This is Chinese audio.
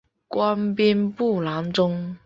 官兵部郎中。